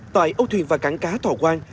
tại âu thuyền và cảng cá thọ quang